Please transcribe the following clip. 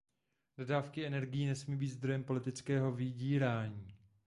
Dodávky energií nesmí být zdrojem politického vydírání.